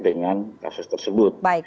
dengan kasus tersebut